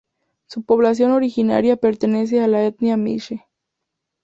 Su población originaria pertenece a la etnia Mixe.